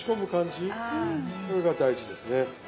それが大事ですね。